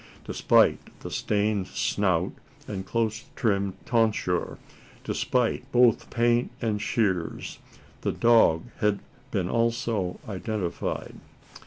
Despite the stained snout and close trimmed tonsure despite both paint and shears the dog had been also identified.